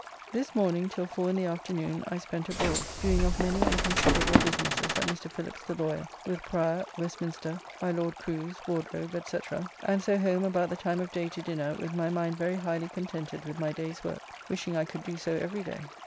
This morning, till four in the afternoon, I spent abroad, doing of many and considerable businesses at Mr. Phillips the lawyer, with Prior, Westminster, my Lord Crew's, Wardrobe, &c., and so home about the time of day to dinner with my mind very highly contented with my day's work, wishing I could do so every day.